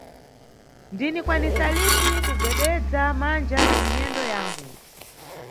Ndindikwanisa lini kugwededza manja na minyendo yangu.